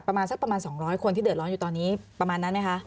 เพราะฉะนั้นประมาณสัก๒๐๐คนที่เดิดร้อนอยู่ตอนนี้ประมาณนั้นไหมคะ